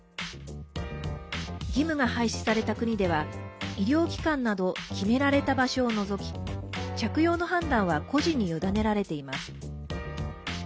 義務が廃止された国では医療機関など決められた場所を除き着用の判断は個人に委ねられています。